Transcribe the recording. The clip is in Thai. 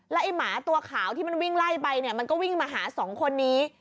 ไอ้หมาตัวขาวที่มันวิ่งไล่ไปเนี่ยมันก็วิ่งมาหาสองคนนี้